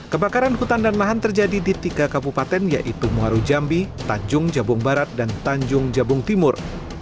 kebakaran hutan dan lahan terjadi di tiga kabupaten yaitu muaru jambi tanjung jabung barat dan tanjung jabung timur